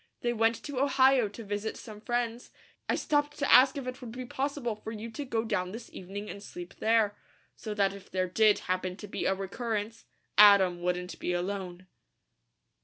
They went to Ohio to visit some friends. I stopped to ask if it would be possible for you to go down this evening and sleep there, so that if there did happen to be a recurrence, Adam wouldn't be alone."